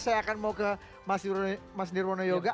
saya akan mau ke mas nirwono yoga